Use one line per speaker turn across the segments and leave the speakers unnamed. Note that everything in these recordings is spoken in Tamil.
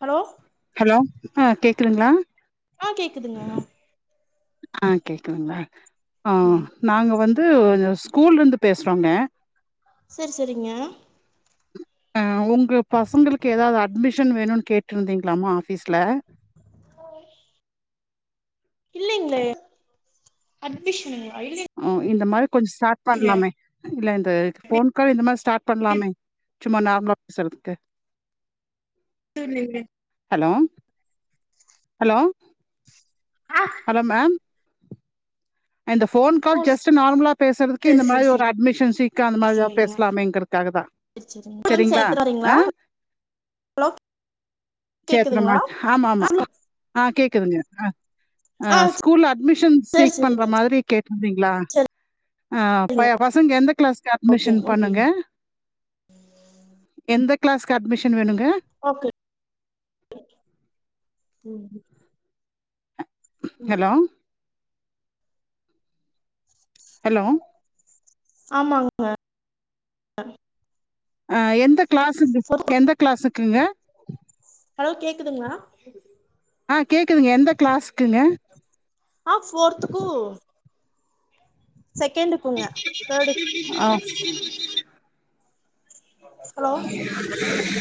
ஹலோ
ஹலோ ஆ கேக்குதுங்களா
ஆ கேக்குதுங்க
ஆ கேக்குதுங்ளா ஆ
ம்
நாங்க வந்தூ இந்த ஸ்கூலருந்து பேசுறோங்க
சேரி சேரிங்க
அ உங்க பசங்களுக்கு எதாவ்து அட்மிஷன் வேணுன் கேட்ருந்தீங்ளாமா ஆஃபீஸ்ல
ஆ இல்லைங்ளே அட்மிஷனுங்ளா இல்லைங்
ஆ இந்த மாரி கொஞ்ச ஸ்டாட் பண்லாமே இல்ல இந்த ஃபோன் கால் இந்த மாரி ஸ்டார்ட் பண்லாமே சும்மா நார்மலா பேசுறதுக்கு
ஆ நீங்ளே
ஹலோ ஹலோ
ஆ
ஹலோ மேம் அ இந்த ஃபோன்
ஓ
கால் ஜஸ்ட்டு நார்மலா பேசுறதுக்கு
சரி
இந்த
சரி
மாரி ஒரு
சரி
அட்மிஷன் சீக்கு அந்த மாரி எதா
சரிங்க
பேசலாமேங்கிறக்காக தா
சரி சரிங்க வந்து
செரிங்ளா
சேத்துறாறீங்களா
ஆ
ஹலோ கேக்குதுங்களா
சேக்குறனால் ஆமா ஆமா
ஆ
ஆ கேக்குதுங்க ஆ ஆ ஸ்கூல்ல அட்மிஷன்
சரி
சீக் பண்ற
சரிங்க
மாதிரி கேட்ருந்தீங்ளா ஆ பய
சரிங்க
பசங்க எந்த கிளாஸ்க்கு
ஓகே
அட்மிஷன்
ஓகேங்க
போட்ணுங்க எந்த கிளாஸ்க்கு அட்மிஷன் வேணுங்க
ஓகே ம்
ஹலோ ஹலோ.
ஆமாங்க
ஆ எந்த கிளாஸுக்கு எந்த கிளாஸுக்குங்க
ஹலோ கேக்குதுங்களா
ஆ கேக்குதுங்க எந்த கிளாஸ்குங்க
ஆ ஃபோர்த்துக்கு சகெண்டுக்
ஆ
ஹலோ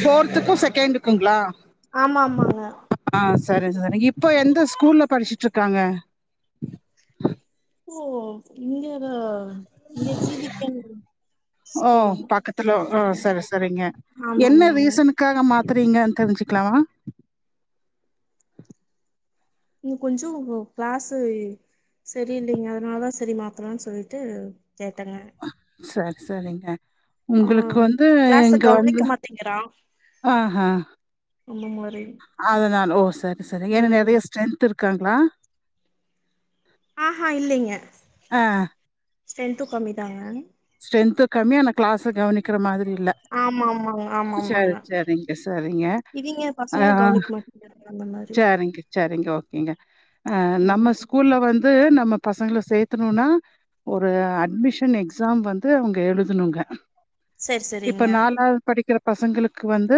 ஃபோர்த்துக்கு சகெண்டுக்குங்ளா
ஆமா ஆமாங்க
ஆ சரி சரி இப்ப எந்த ஸ்கூல்ல படிச்சுட்ருக்காங்க
ஓ இங்கதா இங்க ஜீ வி கான்வென்ட்
ஓ பக்கத்துல ஆ செரி செரிங்க என்ன
ஆமாமாங்க
ரீசன் க்காக மாத்தறீங்கன் தெரிஞ்சுக்கலாமா
ங்க கொஞ்சோ க்ளாஸ்ஸு செரி இல்லைங்க அதனால தா செரி மாத்தலான் சொல்லிட்டு கேட்டேங்க
செர் செரிங்க
அவ
உங்ளுக்கு வந்து
கிளாஸ
இங்க வந்து
கவனிக்க மாட்டேங்கிறா
ஆ ஹா
அந்த மாரி
அதனால ஓ சரி சரி ஏனா
ம்
நறைய ஸ்ட்ரென்த் இருக்காங்ளா
ஆ ஹா இல்லைங்க
ஆ
ஸ்ட்ரென்த்து கம்மி தாங்க
ஸ்ட்ரென்த்து கம்மி ஆனா க்ளாஸு கவனிக்கிற மாதிரி இல்ல
ஆமாமாங்க
சரி,
ஆமாமாங்க
சரிங்க, சரிங்க.
இவிங்க
ஆ
பசங்க கவனிக்க மா அந்த மாரி
சரிங்க, சரிங்க ஓகேங்க ஆ நம்ம
ம்
ஸ்கூல்ல வ ந்து நம்ம பசங்கள சேத்துணுனா ஒரு அட்மிஷன் எக்ஸாம் வந்து அவுங்க எழுதுணுங்க
சரி
இப்ப
சரிங்க
நாலா படிக்கிற பசங்களுக்கு வந்து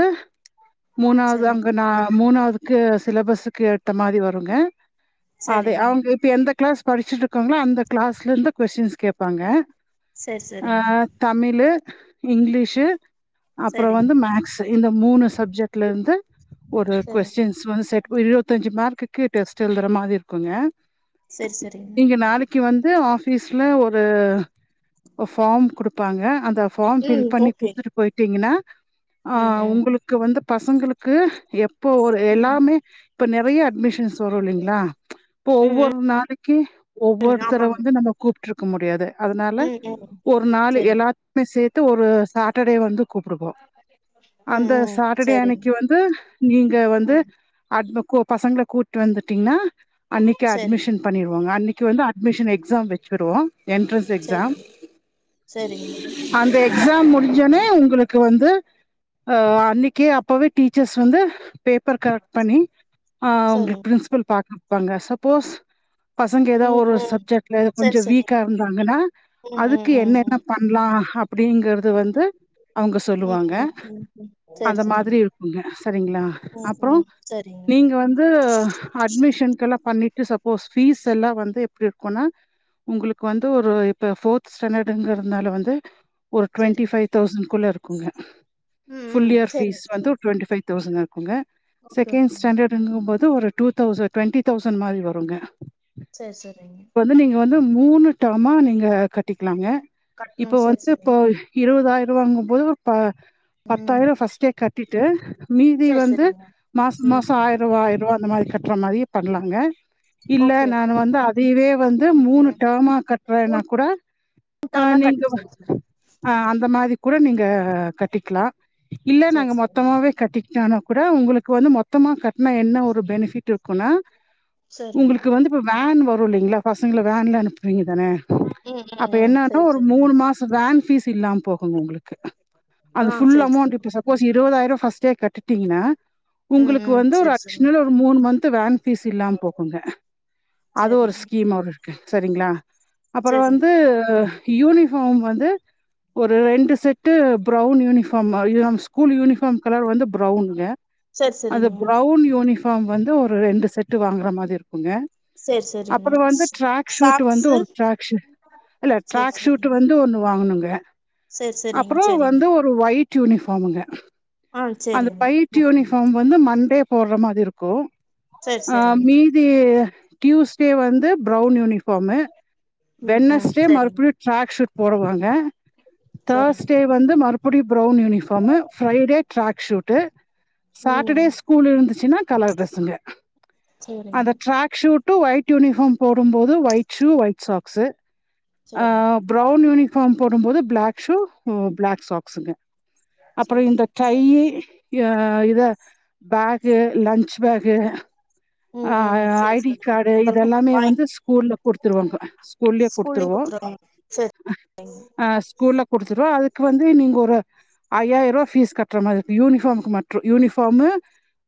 மூணாவ்து அங்க
சரிங்க
நா மூணாவ்து க்கு சிலபஸ்க்கு ஏத்த மாரி வருங்க அத
சரிங்க
அவுங்க ப்ப எந்த க்ளாஸ் படிச்சுட்ருக்காங்களோ அந்த க்ளாஸ்லந்து கொஸ்டின்ஸ் கேப்பாங்க
சரி
ஆ
சரிங்க
தமிழு இங்கிலீஷு அப்றோ
சரிங்க
வந்து மேக்ஸ்ஸு இந்த மூணு சப்ஜெக்ட் லருந்து ஒரு
சரிங்க
கொஸ்டின் ஸ் வந்து செட் இருவத்தஞ்சு மார்க்குக்கு டெஸ்ட் எழுதுற மாரி இருக்குங்க
சரி சரிங்க
நீங்க நாளை க்கி வந்து ஆஃபீஸ்ல ஒரு ஃபார்ம் குடுப்பாங்க அந்த ஃபார்ம் ஃபில்
ம்
பண்ணி
ஓகே
குட்த்துட்டு போயிட்டீங்கன்னா ஆ
ம் ம்
உங்ளு க்கு வந்து பசங்களுக்கு எப்போ ஒரு
ம் ம்
எல்லாமே இப்ப நறைய அட்மிஷன்ஸ் வரு இல்லைங்ளா இப்ப
ம்
ஒவ்வொரு நாளைக்கு
ம்
ஒவ்வொருத்தர
ஆமாங்க
வந்து நம்ம கூப்ட்ருக்க முடியாது அதனால
ம் ம்
ஒரு நாள்
சரி
எல்லா மே சேத்து ஒரு சாட்டர்டே வந்து கூப்டுப்போ
ம்
அந்த
ம்
சாட்டர்டே
சரிங்க
அன்னக்கி வந்து நீங்க வந்து
ம்
அட்மகு பசங்கள கூட்டு வந்துட்டீங்கன்னா அன்னக்கே
சரிங்க
அட்மிஷன் பண்ணிருவாங்க அன்னக்கி வந்து அட்மிஷன் எக்ஸாம் வச்சுருவோ என்ட்ரன்ஸ் எக்ஸாம்
செரிங்க
அந்த எக்ஸாம் முடிஞ்சோனே உங்களுக்கு வந்து ஆ அன்னைக்கே அப்பவே டீச்சர்ஸ் வந்து பேப்பர் கரெக்ட் பண்ணி ஆ உங்களுக்கு
சரிங்க
பிரின்ஸ்பல் பாத்துருப்பாங்க சப்போஸ் பசங்க எதோ
ம்
ஒர்ரொரு
ம்
சப்ஜெக்ட்ல
சரி
கொஞ்சோ
சரிங்க
வீக்கா இருந்தாங்கன்னா
ம் ம்
அதுக்கு
ம்
என்னென்ன
ம்
பண் லா அப்டிங்கறது வந்து அவுங்க
ம்
சொல்லுவாங்க
ம் ம் ம் சரி
அந்த
சரிங்க
மாதிரி இருக்குங்க சரிங்களா
ம்
அப்றோ
ம் சரிங்க
நீங்க வந்து அட்மிஷன்கெல்லா பண்ணிட்டு சப்போஸ் ஃபீஸ்ஸெல்லா வந்து எப்டி இருக்குன்னா உங்ளுக்கு வந்து ஒரு இப்ப ஃபோர்த் ஸ்டாண்டட்டுங்கறனால வந்து ஒரு டுவெண்ட்டி
சரிங்க
ஃபைவ் தௌசண்ட் குள்ள இருக்குங்க
ம்
ஃபுல்
ம்
இயர் ஃபீஸ்
சரிங்க
வந்து ஒரு
சரிங்க
டுவெண்டி ஃபைவ் தௌசண்ட் குங்க
ஓகே
செகெண்ட்
ஓகேங்க ம்
ஸ்டாண்டட்டுங்கம்போது ஒரு டூ தௌசண்ட் டுவெண்ட்டி தௌசண்ட் மாரி வருங்க
செர் செரிங்க
ப்ப வந்து நீங்க வந்து மூணு டேர்மா நீங்க கட்டிக்லாங்க
கட்டணம்
இப்ப
சரி
வந்து இப்ப
சரிங்க
இருவதாயிராவாங்கம்போது ஒரு ப
ம்
பத்தாயிரோ ஃபர்ஸ்ட்டே கட்டிட்டு மீதி
சரி
வந்து
சரிங்க
மாச
ம்
மாசோ ஆயருவா ஆயருவா அந்த மாரி கட்ற மாரி பண்லாங்க இல்ல
ஓகே
நானு
ஓகேங்க
வந்து அதையவே வந்து
ம்
மூணு
ம்
டேம்மா கட்டுறேன்னா கூட ஆ
கூப்ட்டோம்னா கட்
நீங்க
சரி சரி
ஆ அந்த மாரி கூட நீங்க கட்டிக்கலா இல்ல
சரி
நாங்க
சரிங்க
மொத்தமாவே கட்டிக் டான கூட உங்களுக்கு வந்து மொத்தமா கட்டுனா என்ன ஒரு பெனிஃபிட் இருக்குனா
சரிங்க
உங்களுக்கு வந்து இப்ப வேன் வரு இல்லைங்களா பசங்கள வேன்ல அனுப்புவீங்க தானே
ம் ம்
அப்ப
ம்
என்னான்னா
சரி
ஒரு
சரிங்க
மூண் மாஸ் வேன் ஃபீஸ் இல்லாம போகுங் உங்களுக்கு அது
ஆ
ஃபுல்
சரி
அமௌண்ட்
சரிங்க
ஃபீச சப்போஸ் இருபதாயிரோ ஃபர்ஸ்ட்டே கட்டிட்டீங்கனா
ம்
உங்களுக்கு
ம்
வந்து ஒரு
செரி
அட்ஷனல் ஒரு மூண் மந்த் வேன் பீஸ் இல்லாம போகுங்க அது ஒரு
செரிங்
ஸ்கீம் மார் இருக்கு சரிங்களா அப்றோ வந்து
செரிங்க
து யூனிஃபார்ம் வந்து ஒரு ரெண்டு set brown uniform [unintelligible] school uniform colour வந்து ப்ரௌனுங்க
செரிங் செரி
அந்த
செரிங்க
ப்ரௌன் யூனிப் ஃபார்ம் வந்து ஒரு ரெண்டு செட்டு வாங்குற மாரி இருக்குங்க
செரி செரிங்க
அப்புறோ வந்து ட்ராக் ஷூட்டு வந்து
சாக்ஸு
ஒரு ட்ராக் ஷுட் இல்ல
செரி
ட்ராக் ஷூட்டு
செரிங்க
வந்து ஒண்ணு வாங்கனுங்க
செரி செரிங்
அப்புறோ
செரிங்க
வந்து ஒயிட் யூனிஃபார்முங்க
ஆ
அந்த
செரிங்க
பயிட்
ஓகேங்க
யூனிஃபார்ம் வந்து மண்டே போட்ற மாரி இருக்கு
செரி
ஆ
செரிங்க
மீ தி டியூஸ்டே வந்து ப்ரௌன் யூனிஃபார்மு
ம் ம்
வெனஸ்டே
செரிங்க
மறுபடியு டராக் ஷூட் போடுவாங்க தேட்ர்ஸ்
செரிங்க
டே வந்து மறுபடியு brown uniform Friday track suit Saturday
ம்
ஸ்கூல் இருந்துச்சுன்னா கலர் ட்ரெஸ்ஸுங்க அந்த
செரிங்க
track suit to white uniform போடும்போது ஒயிட் ஷூ ஒயிட் சாக்ஸு ஆ
செரிங்க
ப்ரௌவுன் யூனிஃபார்ம் போடும்போது பிளாக் ஷூ பிளாக் சாக்ஸுங்க அப்புறோ இந்த
செரிங்க செரி
டையி ய‌ இத பேகு லஞ்ச் பேகு
உம் உம் சேரி
ஐடி
சேரி
கார்டு
அதெல்லா
இதெல்லாமே
பாய்
வந்து ஸ்கூலில் கொடுத்துருவாங்க
ஸ்கூல்லயே குடுத்துருவாங்க செர்
அ ஸ்கூல்ல குடுத்துருவோ அதுக்கு வந்து நீங்க ஒரு ஐயாயிர ரூபா ஃபீஸ் கட்டுற மாரி ருக்கு யூஃப்பாமுக்கு மட்று யூனிஃபாம்மு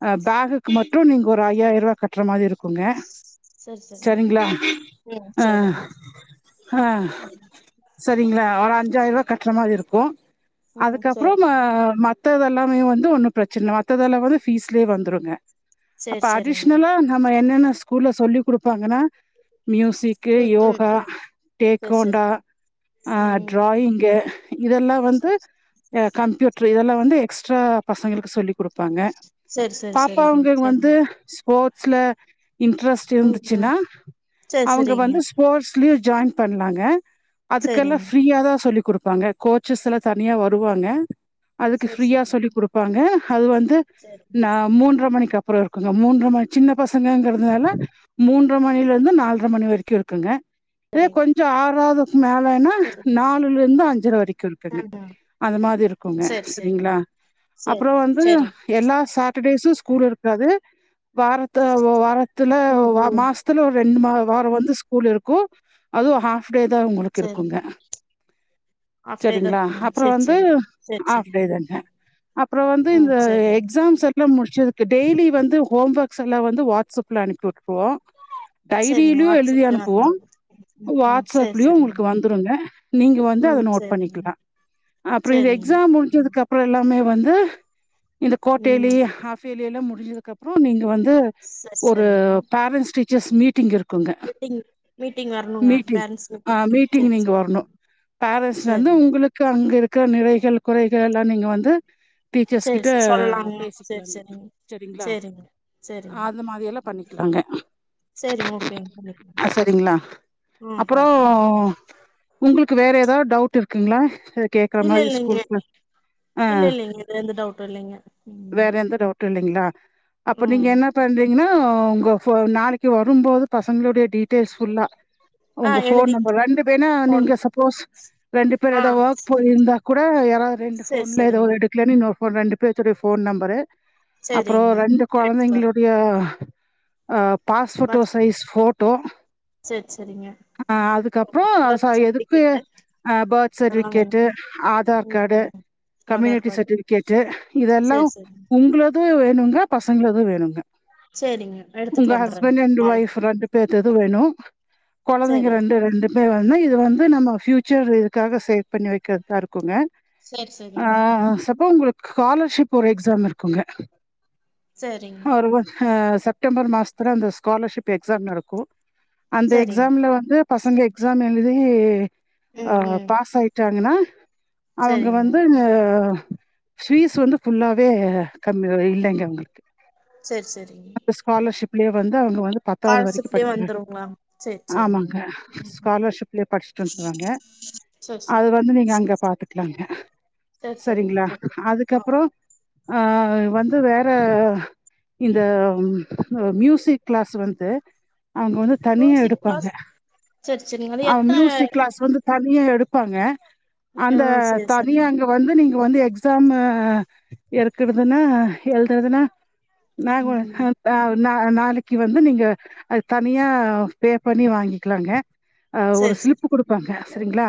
ஆ பேகுக்கு மட்டு நீங்க ஒரு ஐயாயிர ரூபா கட்டுற மாரி இருக்கு கொங்க
செரி செரிங்க
சரிங்களா
ம்
ஹ
செரிங்க [unintelligible]
சரிங்களா ஆலா அஞ்சாயிர ரூபா கட்டுற மாரி இருக்கு
ம் செரி
அதுக்கப்புறோம மத்தது எல்லாமே வந்து ஒன்னு பிரச்சனல்ல மத்தது எல்லாமே வந்து பீஸ்லே வந்துருங்க
செரி
அப்ப அடிஷ்
செரிங்க
னலா நம்ம என்னென்ன ஸ்கூல்ல சொல்லி குடுப்பாங்கன்னா மியூசிக்கு
ம் ம்
யோகா
ம் செரி
டேக்கோண்டா
செரிங்க
ஆ
ம்
டிராயிங்கு இதெல்லா வந்து
செரி
கம்ப்யூட்ரு இதெல்லா வந்து எக்ஸ்ட்ரா பசங்களுக்கு சொல்லி குடுப் பாங்க
செரி
பாப்பா
செரிங்க
அவுங்களுக்கு வந்து
சரிங்க
ஸ்போர்ட்ஸ்ல இன்டெரஸ்ட்
ம் ம்
இருந்துச்சுன்னா
செரி
அவுங்க
செரிங்க
வந்து ஸ்போர்ட்ஸ்லயு ஜாயின் பண்ணாங்க அதுக்கெல்லா
செரிங்க
ஃப்ரீயா தா சொல்லி குடுப்பாங்க கோச்சஸ்லா தனியா வருவாங்க அதுக்கு
செரி
ஃப்ரீயா
செரி
சொல்லி குடுப்பாங்க அது வந்து நா
செரி
மூண்ற மணிக்கப்புறோ இருக்குங்க மூண்ற மணி சின்ன பசங்கங்கறதுனால மூண் ற மணிலருந்து நால்டர மணி வரைக்கு இருக்குங்க இதே கொஞ்சோ ஆறாது மேலனா
செரிங்க செரிங்க
நாலுல இருந்து அஞ்சரை வரைக்கு இருக்குங்க
ம் ம்
அது மாரி இருக்குங்க
செரி
செரிங்களா
செரிங்க செரி
அப்புறோ வந்து
செரி
ஏனா சாட்டர்டேஸு ஸ்கூல் இருக்காது வாரத்த ஒ வாரத்துல
ம்
வா
ம்
மாஸ் த்துல ரெண்டு நாள் வார வந்து ஸ்கூல் இருக்கு அதுவு ஹா ஃப்டேதா உங்ளுக்
செரி
இருக்குங்க
ஆஃப்டே தா
சரிங்ளா
இருக்குங்க
அப்புறோ
செரி
வந்து
செரி செரி செரி
ஆஃப்டேதாங்க அப்புறோ வந்து
ம்
இந்த
செரிங்க
எக்ஸாம்ஸ ல முடிச்சதுக்கு டெய்லி வந்து ஹோம் ஒர்க்ஸ் எல்லா வந்து வாட்ஸ்அப்ல அனுப்பி உட்ருவோ
செரிங்க
டைரீல்யு எழுதி
வாட்ஸ்அப்லயே
அனுப்புவோ
வந்துரு ம் ம் செரி
வாட்ஸ்அப்லியு உங்ளுக்
செரிங்க
வந்துருங்க நீங்க வந்து அத
ம்
நோட்
செரிங்க
பண்ணிக்கிலா அப்றோ இந்த
செரிங்க
எக்ஸாம்
ம்
முட்ஞ்சதுக்கப் ப்றோ எல்லாமே வந்து இந்த கோட்டேலி
ம்
ஹாஃபேலி எல்லா முடிஞ்சதுக்கப்றோ நீங்க வந்து
செரி
ஒரு
செரிங்க
பேரண்ஸ் டீச்சர்ஸ் மீட்டிங் இரு குங்க
மீட்டிங் மீட்டிங் வரணுங்க
மீட்டிங்
பேரண்ட்ஸ்
ஆ மீட்டிங்
செரி
நீங்க
செரிங்க
வர்ணு பேரன்ஸ் வந்து
செரிங்க
உங்களுக்கு அங்க இருக்குற நிறைகள் குறைகள் எல்லா நீங்க வந்து டீச்சர்ஸ்
சேரி
கிட்ட
சேரி சொல்லலாங்க சேரி
பேசிக்கிலாங்க
சேரிங்க
செரிங்ளா
சேரிங்க சேரிங்க
அது மாரி எல்லா பண்ணிக்கிலாங்க
சேரி ஓகேங்க பண்ணிக்கலாங்க
அ சரிங்ளா
ம்
அப்புறோ
பாக்கலாங்க
உங்ளுக்கு வேற எதா டவுட் இருக்குங்ளா கேக்ற
இல்ல
மாரி
இல்லைங்க
ஸ்கூல்க்கு ஆ
இல்ல இல்லைங்க இதுல எந்த டவுட்டு இல்லைங்க ம்
வேற எந்த டவ் ட்டு இல்லைங்ளா அப்போ நீங்க
ம்
என்ன பண்றீங்ன்னா உங்க ஃபோ நாளைக்கு வரும்போது பசங்ளுடைய டீட்டெய்ல்ஸ் ஃபுல்லா
ஆ
உங்க ஃபோன்
எழுதிட்டு
நம்பர் ரெண்டு பேர்னா
ஃபோன்
நீங்க சப்போஸ் ரெண்டு பேர்
ஆ
எதா ஒர்க் போயிருந்தா கூட யாரா ரெண்டு
சேரி
ஃபோன்ல எதோ
சேரிங்க
ஒரு எடுக்கலனு இன்னொரு ஃபோன் ரெண்டு பேத்தொடைய ஃபோன் நம்பரு
செரிங்க
கொழந்தைங்களுடைய அ பாஸ்ஃபோட்டோ
பர்த்
சைஸ் ஃபோட்டோ
சேரி சேரிங்க
அ அதுக்கப்றோ அ
பர்த்
சா எதுக்கு
சர்டிஃபிகேட்டு
ஆ பர்த்
அதெல்லா வேணு
சர்டிவிகேட்டு ஆதார்
ம்
காடு
ம் ஆதார்
கம்யூனிட்டி
கார்டு
சர்டிவிகேட்டு் இதெல்லாம்
சேரி சேரிங்க
உங்ள து வேணுங்க பசங்ளது வேணுங்க
சேரிங்க எடுத்துட்டு
உங்க
வந்துர்றேங்க
ஹஸ்பண்டு அண்ட் ஒய்ஃப்
நாளைக்கு
ரெண்டு பேத்தெது வேணு கொழந்தைங்க
சேரிங்க
ரெண்டு ரெண்டு மே வந்து இது வந்து நம்ம ஃபியூச்சரு இதுக்காக சேவ் பண்ணி வைக்கற்கா இரு குங்க
சேரி
அ
சேரிங்க
சப்போ உங்ளுக் காலர்ஷிப் ஒரு எக்ஸாம் இருக்குங்க
சரிங்
ஒருவ அ செப்டம்பர் மாஸ்த்துல அந்த ஸ்காலர்ஷிப் எக்ஸாம் நடக்கு அந்த
சேரிங்க
எக்ஸாம்ல வந்து பசங்க எக்ஸாம் எழுதி அ
ம் ம்
பாஸ் ஆய் ட்டாங்கனா அவுங்க
சரிங்க
வந்து ஃபீஸ் வந்து ஃபுல்லாவே கம்மிதா இல்லைங்க அவுங்குளுக்கு
சேர் செரிங்
ஸ்காலர்ஷிப்லே வந்து அவுங்க வந்து பத்தாவ்து வரைக்கு
காலசிப்லயே
படிக்முயாது
வந்துருங்களா சரி சரிங்க
ஆமாங்க ஸ்காலர்ஷிப்லே பட்ஸ் டொல்த்வாங்க
சரி சரி
அது வந்து நீங்க அங்க பாத்துக்லாங்க
சரி சரிங்க
சரிங்ளா
ஓகே ஆ
அதுக்கப்றோ ஆ வந்து வேற இந்த மியூசிக் கிளாஸ் வந்து அவுங்க வந்து தனியா
மியூசிக்
எடுப்பாங்க
கிளாஸ் சரி சரிங்க அது
அ
எத்தன
மியூசிக் கிளாஸ் வந்து தனியா எடுப்பாங்க
ஆ
அந்த
சரி
தனியா
சரிங்க
அங்க வந்து நீங்க வந்து எக்ஸ் சாமு எருக்கறுதுனா எல்தரதுனா நாங்வ
ம்
ஹ
ம்
ஆ நா நாளைக்கு வந்து நீங்க அது தனியா பே பண்ணி வாங்கிக்கலாங்க ஆ ஒரு
சரி சரி
ஸ்லிப்பு குடுப்பாங்க சரிங்ளா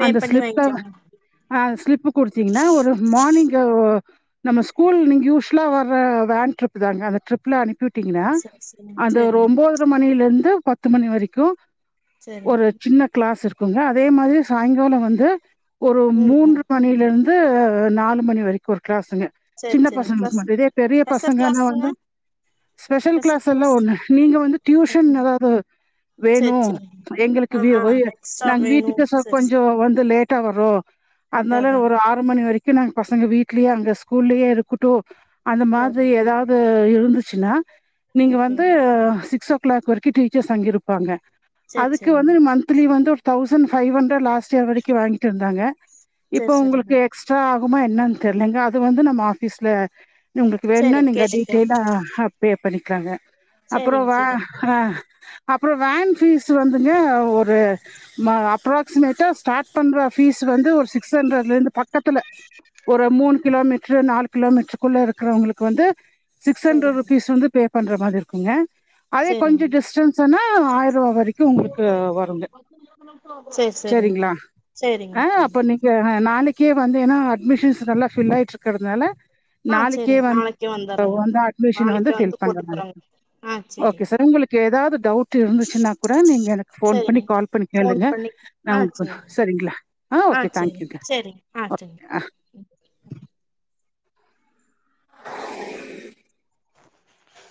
பே
அந்த
பண்ணி
ஸ்லிப்ப
வாங்கிக்கலாங்க
ஆ ஸ்லிப்பு குடுத்தீங்கன்னா ஒரு மார்னிங்கு நம்ம ஸ்கூல் நீங்க யூ ஷ்லா வர்ற வேன் ட்ரிப்தான அந்த ட்ரிப்ல அனுப்பி விட்டீங்கன்னா
சரி சரிங்க
அது ஒரு
சரிங்க
ஒன்பதர ம ணிலந்து பத்து மணி வரைக்கு ஒரு
சரிங்க
சின்ன கிளாஸ் இருக்குங்க அதே மாரி சாய்ங்காலோ வந்து ஒரு
ம்
மூன்ற
ம்
மணிலந் து நாலு மணி வரைக்கு ஒரு கிளாஸுங்க
சரி
சின்ன பசங்களுக்கு மட்டு இதே பெரிய பசங்கனா
ங்க
ஸ்பெஷல் கிளாஸ் எல்லா ஒண்ணு நீங்க வந்து டியூஷன்
சரிங்க
எதாவது வேணு
சரி சரிங்க
எங்களுக்கு
ஆ
வீ
ஆ
வீ
எக்ஸ்ட்ரா
நாங்க
வேணு
வீட்டுக்கு ஒச
சரி
கொஞ்சோ வந்து லேட்டா வரோ
அதா
அதனால
அதாங்க
ஒரு ஆறு மணி வரைக்கு நாங்க பசங்க வீட்லயே அங்க ஸ்கூல்லயே இருக்கட்டு அந்த மாதிரி
சரிங்க
எதாவது இருந்துச்சுனா நீங்க
ஓகே
வந்து சிக்ஸ் ஓ கிளாக் வரைக்கு டீச்சர்ஸ் அங்கிருப்பாங்க
சரி
அதுக்கு வந்து
சரிங்க
மந்த்லி வந்து ஒரு thousand five hundred last year வரைக்கு வாங்கிட்டு இருந்தாங்க இப்ப
சேர் சேரிங்க
உங்களுக்கு எக்ஸ் ட்ரா ஆகுமா என்னனு தெரிலங்க அது வந்து நம்ம ஆஃபீஸ்ல உங்களுக்கு வேணுனா
சேரிங்
நீங்க
கேட்டுக்லா
அ ஹ அப்டியே பண்ணிக்கிக்கலாங்க அப்றோ
சேரிங்
வா
சேரிங்
அ அப்றோ வேன் ஃபீஸ் வந்துங்க ஒரு ம அப்ராக்சிமேட்டா ஸார்ட் பண்ணுற ஃபீஸ் வந்து ஒரு சிக்ஸ் ஹன்ட்ரலருந்து பக்கத்துல ஒரு மூணு கிலோமீட்ரு நாலு கிலோமீட்ருக்குள்ள இருக்கிறவங்களுக்கு வந்து சிக்ஸ் ஹண்ட்ரட்
சேரிங்
ருப்பீஸ் வந்து பே பண்ற மாரி இருக்குங்க அதே கொஞ்சோ
சேரிங்க
டிஸ்டன்ஸ்ன்னா ஆயிருவா வரைக்கு உங்களுக்கு வருங்க
சேர் சேரிங்க
செரிங்ளா
சேரிங்க
ஆ
ஓகேங்க
அப்ப நீ ங்க நாளைக்கே வந்து ஏனா அட்மிஷன்ஸ்துல்லா ஃபில் ஆயிட்டு இருக்கிறதுனால
ஆ
நாளைக்கே
சேரிங்க
வ
நாளைக்கே வந்துர்றேங்க
ந்து அட்மிஷன வந்து
நாளைக்கே
பீல் பண்ற
போட்டு
மாரி
போறேங்க ஆ
ஓகே
சேரிங்க
சார் உங்களுக்கு எதாவது டவுட் வந்துச்சுனா கூட நீங்க எனக்கு ஃபோன் பண்ணி
சேரிங்க
கால் பண்ணி
ஃபோன்
கேளுங்க
பண்ணி
நா
ஆ
உங்கு
சேரிங்க
சரிங்ளா ஆ ஓகே
சேரிங்க
தேங்க்யூங்க
சேரிங்க ஆ சேரிங்க
ஓகே அ
ம் ஆஹ்